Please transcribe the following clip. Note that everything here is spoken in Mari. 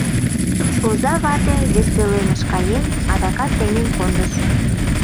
Оза вате, вес пӧлемыш каен, адакат темен кондыш.